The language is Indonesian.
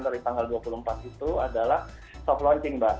dari tanggal dua puluh empat itu adalah soft launching mbak